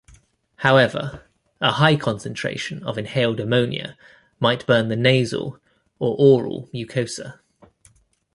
However, a high concentration of inhaled ammonia might burn the nasal or oral mucosa.